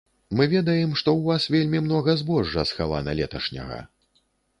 Мы ведаем, што ў вас вельмі многа збожжа схавана леташняга.